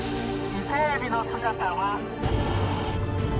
伊勢えびの姿は。